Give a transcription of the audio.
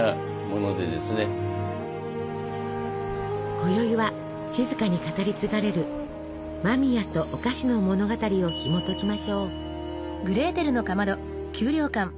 こよいは静かに語り継がれる間宮とお菓子の物語をひもときましょう。